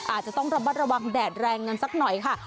อาจจะต้องระมัดระวังแดดแรงกันสักหน่อยค่ะ